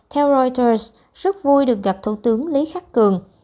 theo roitures rất vui được gặp thủ tướng lý khắc cường